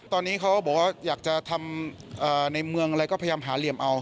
ตอนนี้เขาบอกว่าอยากจะทำในเมืองอะไรก็พยายามหาเหลี่ยมเอา